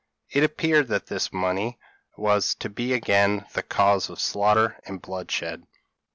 It appeared that this money was to be again the cause of slaughter and bloodshed.